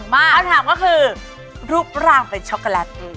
คำถามก็คือรูปร่างเป็นช็อกโกแลต